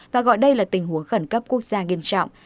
và gọi đây là tình huống khẩn cấp quốc gia nghiêm trọng